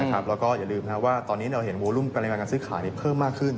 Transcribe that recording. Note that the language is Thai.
แล้วก็อย่าลืมว่าตอนนี้เราเห็นโวลุ่มปริมาณการซื้อขายเพิ่มมากขึ้น